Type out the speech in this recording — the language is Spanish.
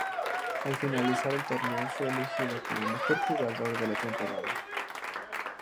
Al finalizar el torneo fue elegido como "Mejor Jugador" de la temporada.